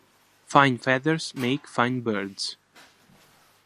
Fine Feathers Make Fine Birds